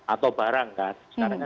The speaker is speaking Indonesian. atau barang kan